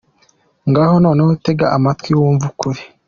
Ngaho noneho tega amatwi wumve ukuri.